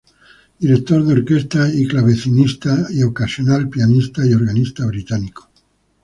Director de orquesta y clavecinista, y ocasional pianista y organista británico.